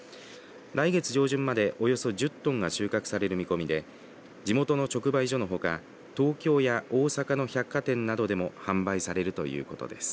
来月上旬までおよそ１０トンが収穫される見込みで地元の直売所のほか東京や大阪の百貨店などでも販売されるということです。